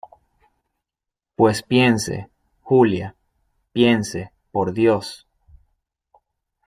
pues piense, Julia , piense , por Dios.